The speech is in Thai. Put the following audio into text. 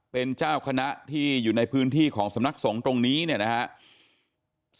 เป็นเจ้าคณะที่อยู่ในพื้นที่ของสำนักสงสิริเทพศักดิ์ตรงนี้